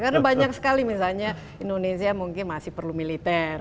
karena banyak sekali misalnya indonesia mungkin masih perlu militer